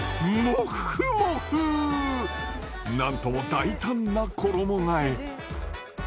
なんとも大胆な衣がえ。